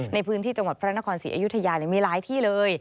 ในพื้นที่จังหวัดพระนครศรีอยุธยามีหลายที่เลย